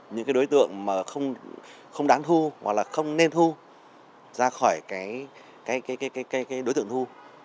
những đối tượng không đáng thu hoặc không nên thu ra khỏi đối tượng thu